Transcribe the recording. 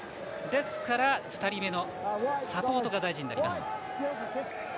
ですから、２人目のサポートが大事になります。